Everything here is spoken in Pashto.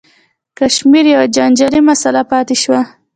کشمیر یوه جنجالي مسله پاتې شوه.